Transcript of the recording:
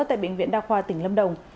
tại bệnh viện đa khoa tỉnh lâm đồng